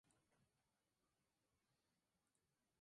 Laing se unió al barco en Nápoles.